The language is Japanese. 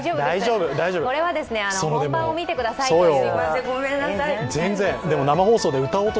大丈夫、これは本番を見てくださいという。